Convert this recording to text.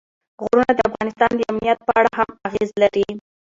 غرونه د افغانستان د امنیت په اړه هم اغېز لري.